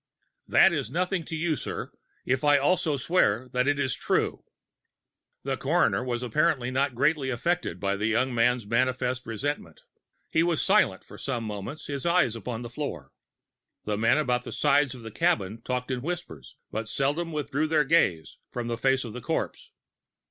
"That is nothing to you, sir, if I also swear that it is true." The coroner was apparently not greatly affected by the young man's manifest resentment. He was silent for some moments, his eyes upon the floor. The men about the sides of the cabin talked in whispers, but seldom withdrew their gaze from the face of the corpse.